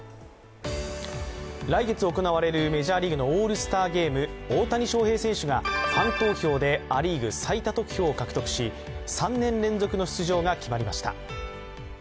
来月行われるメジャーリーグのオールスターゲーム大谷翔平選手がファン投票でア・リーグ最多得票を獲得し３年連続の出場が決まりました。